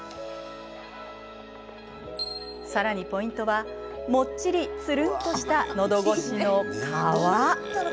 さらにポイントは、もっちりつるんとした、のどごしの皮。